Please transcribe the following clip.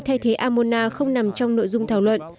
thay thế amona không nằm trong nội dung thảo luận